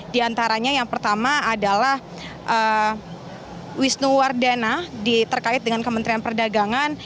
di antaranya yang pertama adalah wisnu wardana terkait dengan kementerian perdagangan